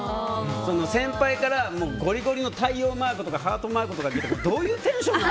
先輩からゴリゴリの太陽マークとかハートマークとか来てどういうテンションなの？